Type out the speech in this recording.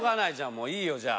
もういいよじゃあ。